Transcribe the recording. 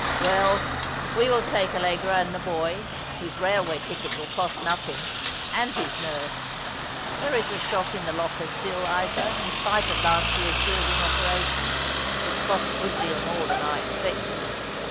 " Well, we will take Allegra, and the boy, whose railway ticket will cost nothing, and his nurse. There is a shot in the locker still, Isa, in spite of last year's building operations, which cost a good deal more than I expected.